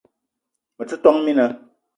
Me te , tόn mina